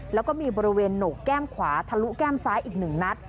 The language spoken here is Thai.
แล้วก็มีบริเวณโหนกแก้มขวาทะลุแก้มซ้ายอีก๑นัด